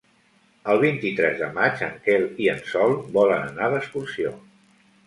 El vint-i-tres de maig en Quel i en Sol volen anar d'excursió.